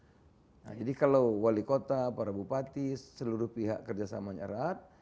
nah jadi kalau wali kota para bupati seluruh pihak kerjasamanya erat